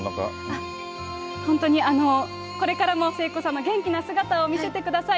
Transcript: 本当に、あの、これからも聖子さんの元気な姿を見せてください。